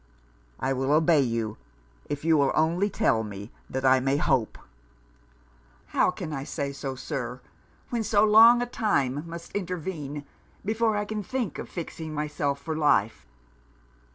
'I will obey you, if you will only tell me I may hope.' 'How can I say so, Sir, when so long a time must intervene before I shall think of fixing myself for life.'